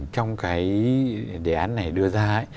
trong cái đề án này đưa ra